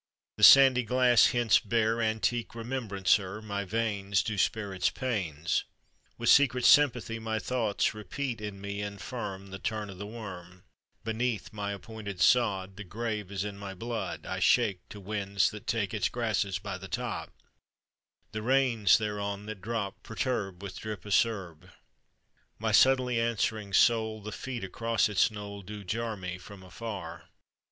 The sandy glass hence bear Antique remembrancer; My veins Do spare its pains. With secret sympathy My thoughts repeat in me Infirm The turn o' the worm Beneath my appointed sod; The grave is in my blood; I shake To winds that take Its grasses by the top; The rains thereon that drop Perturb With drip acerb My subtly answering soul; The feet across its knoll Do jar Me from afar.